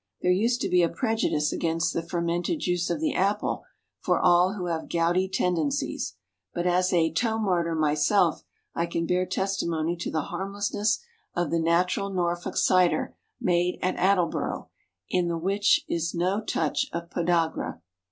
There used to be a prejudice against the fermented juice of the apple for all who have gouty tendencies; but as a "toe martyr" myself, I can bear testimony to the harmlessness of the "natural" Norfolk cider made at Attleborough, in the which is no touch of Podagra.